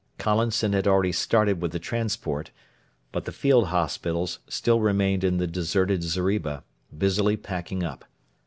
Collinson had already started with the transport, but the field hospitals still remained in the deserted zeriba, busily packing up.